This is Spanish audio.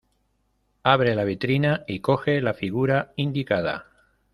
Abre la vitrina y coge la figura indicada.